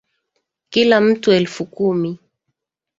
Kila mtu elfu kumi